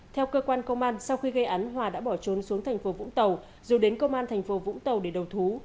theo cơ quan công an sau khi gây án hòa đã bỏ trốn xuống thành phố vũng tàu rồi đến công an thành phố vũng tàu để đầu thú